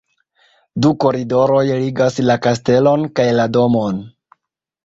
Du koridoroj ligas la kastelon kaj la domon.